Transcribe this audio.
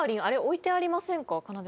あれ置いてありませんか？